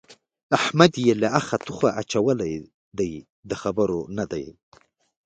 احمد يې له اخه توخه اچولی دی؛ د خبرو نه دی.